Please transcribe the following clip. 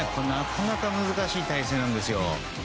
なかなか難しい体勢なんですよ。